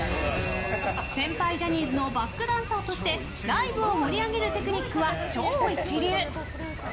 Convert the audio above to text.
先輩ジャニーズのバックダンサーとしてライブを盛り上げるテクニックは超一流！